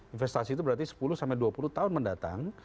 investasi itu berarti sepuluh sampai dua puluh tahun mendatang